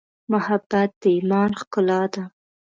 محبت د ایمان ښکلا ده.